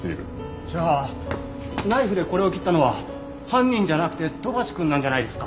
じゃあナイフでこれを切ったのは犯人じゃなくて土橋くんなんじゃないですか？